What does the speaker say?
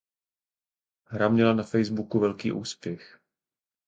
Hra měla na Facebooku velký úspěch.